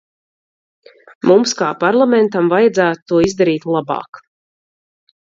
Mums kā Parlamentam vajadzētu to izdarīt labāk.